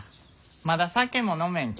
まだ酒も飲めんき。